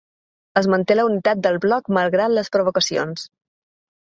Es manté la unitat del bloc malgrat les provocacions.